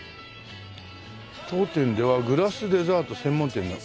「当店ではグラスデザート専門店」。